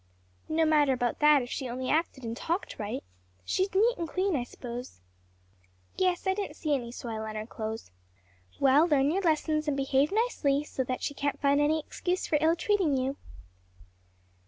"No matter about that if she only acted and talked right. She's neat and clean, I suppose?" "Yes; I didn't see any soil on her clothes." "Well, learn your lessons well and behave nicely, so that she can't find any excuse for ill treating you."